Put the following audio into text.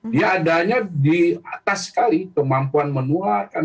dia adanya di atas sekali kemampuan menularkan